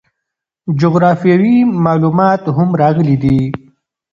جغرافیوي معلومات هم راغلي دي.